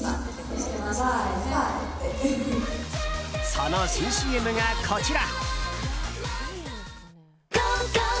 その新ＣＭがこちら。